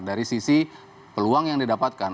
dari sisi peluang yang didapatkan